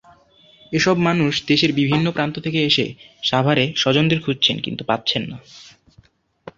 এসব মানুষ দেশের বিভিন্ন প্রান্ত থেকে এসে সাভারে স্বজনদের খুঁজছেন, কিন্তু পাচ্ছেন না।